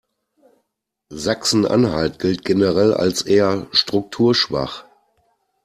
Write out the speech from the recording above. Sachsen-Anhalt gilt generell als eher strukturschwach.